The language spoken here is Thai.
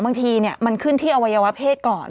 บางทีมันขึ้นที่อวัยวะเพศก่อน